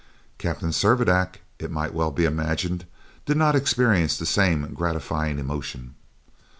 Captain Servadac, it may well be imagined, did not experience the same gratifying emotion.